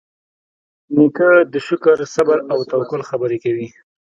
نیکه د شکر، صبر، او توکل خبرې کوي.